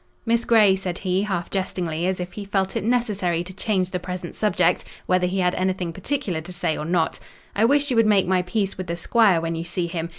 "Miss Grey," said he, half jestingly, as if he felt it necessary to change the present subject, whether he had anything particular to say or not, "I wish you would make my peace with the squire, when you see him.